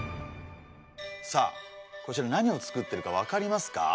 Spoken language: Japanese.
さあこちら何を作ってるかわかりますか？